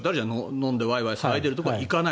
飲んでワイワイ騒いでいるところに行かない。